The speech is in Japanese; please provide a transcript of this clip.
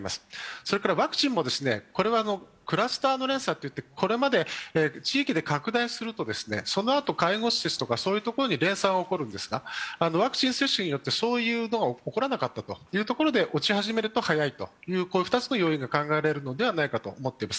それからワクチンも、クラスターの連鎖といってこれまで地域で拡大すると、そのあと介護施設などで連鎖が起こるんですが、ワクチン接種によってそういうのが起こらなかったということで落ち始めると早いと、２つの要因が考えられるのではないかと思っています。